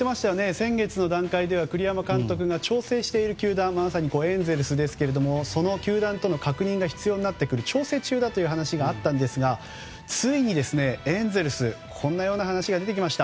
先月の段階では栗山監督が調整している球団まさにエンゼルスですけれどもその球団との確認が必要になってくる調整中だという話がありましたがついに、エンゼルスこんなような話が出てきました。